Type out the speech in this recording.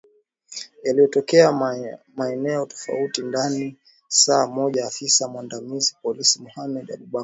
yaliyotokea maeneo tofauti ndani saa moja afisa mwandamizi wa polisi mohammed abubakar